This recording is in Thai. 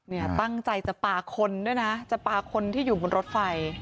เนี่ยตั้งใจจะปลาคนด้วยนะจะปลาคนที่อยู่บนรถไฟ